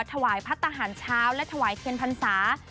ถวายพัฒนาหารเช้าและถวายเทียนพรรษา